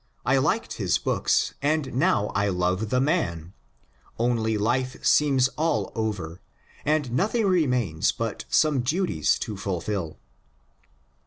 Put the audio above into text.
I liked his books, and now I love the man — only life seems all over, and nothing remains but some duties to fulfil."